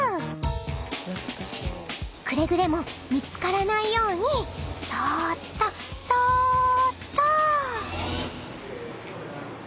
［くれぐれも見つからないようにそーっとそーっと］